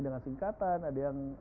dengan singkatan ada yang